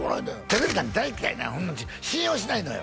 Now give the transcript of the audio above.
「テレビなんか大嫌いなの信用しないのよ！」